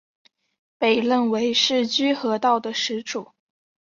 被认为是居合道的始祖。